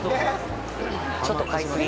ちょっと買いすぎ？